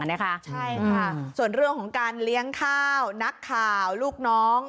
ใช่ค่ะส่วนเรื่องของการเลี้ยงข้าวนักข่าวลูกน้อง